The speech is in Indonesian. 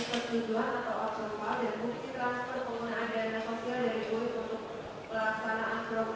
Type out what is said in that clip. persiduan atau observal dan fungsi transfer penggunaan dana sosial dari buli untuk pelaksanaan program